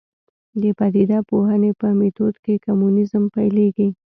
د پدیده پوهنې په میتود کې کمونیزم پیلېږي.